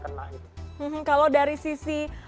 kalau dari sisi pengelola ecommerce atau marketplace atau video